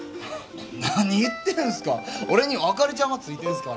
何言ってるんすか俺にはあかりちゃんがついてんすから。